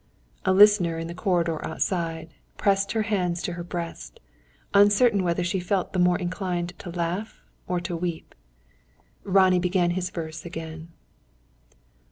A listener, in the corridor outside, pressed her hands to her breast, uncertain whether she felt the more inclined to laugh or to weep. Ronnie began his verse again.